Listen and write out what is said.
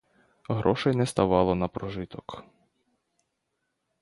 Грошей не ставало на прожиток.